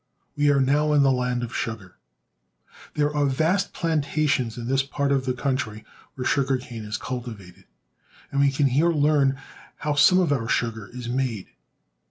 We are now in the land of sugar. There are vast plantations in this part of the country where sugar cane is 144 THE SOUTH. cultivated, and we can here learn how some of our sugar is made.